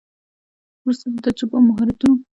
وروسته د تجربو او مهارتونو په زیاتوالي سره عواید لوړیږي